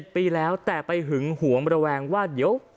ปีแล้วแต่ไปหึงหวงระแวงว่าเดี๋ยว